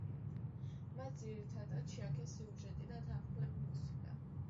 მათ ძირითადად შეაქეს სიუჟეტი და თანმხლები მუსიკა.